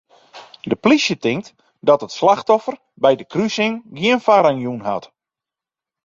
De plysje tinkt dat it slachtoffer by de krusing gjin foarrang jûn hat.